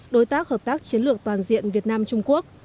đối tác hợp tác chiến lược toàn diện việt nam trung quốc